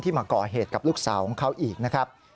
มาก่อเหตุกับลูกสาวของเขาอีกนะครับ